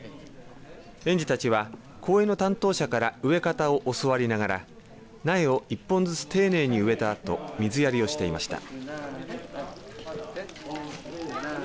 園児たちは、公園の担当者から植え方を教わりながら苗を１本ずつ丁寧に植えたあと水やりをしていました。